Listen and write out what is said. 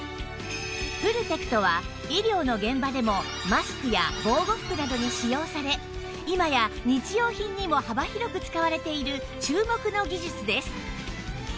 フルテクトは医療の現場でもマスクや防護服などに使用され今や日用品にも幅広く使われている注目の技術です